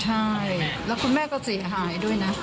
ใช่แล้วคุณแม่ก็เสียหายด้วยนะ